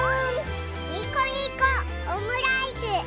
にこにこオムライス！